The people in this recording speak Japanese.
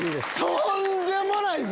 とんでもないぞ！